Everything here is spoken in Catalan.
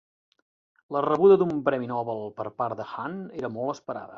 La rebuda d'un premi Nobel per part de Hahn era molt esperada.